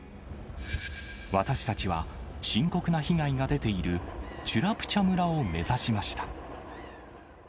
私たちは深刻な被害が出ている、チュラプチャ村を目指しました。